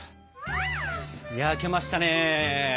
焼けましたね。